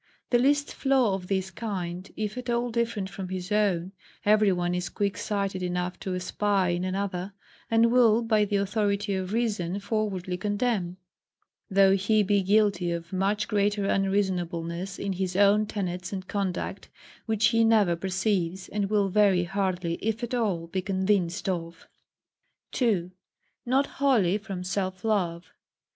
The least flaw of this kind, if at all different from his own, every one is quick sighted enough to espy in another, and will by the authority of reason forwardly condemn; though he be guilty of much greater unreasonableness in his own tenets and conduct, which he never perceives, and will very hardly, if at all, be convinced of. 2. Not wholly from Self love.